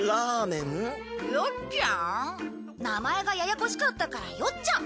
名前がややこしかったからよっちゃん。